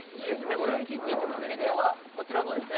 これ今日はこちらのですね